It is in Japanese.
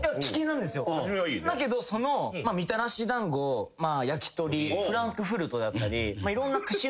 みたらし団子焼き鳥フランクフルトだったり。